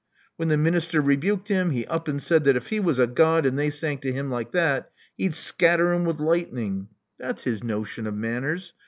When the minister rebuked him, he up and said that if he was a God and they sang to him like that, he'd scatter 'em with light ning. That's his notion of manners.